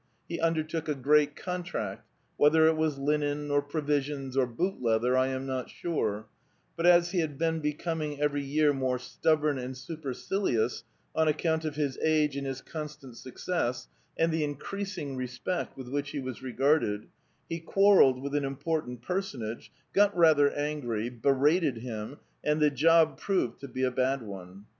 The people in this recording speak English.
He undertook a great contract ; whether it was linen, or provisions, or boot leather, I am not sure ; but as he had been becoming every year more stubborn and supercilious on account of his age and his constant suc cess, and the increasing respect with which he was regarded, he quaiTclled with an important personage, got rather angry, berated him, and the job j roved to be a bad one.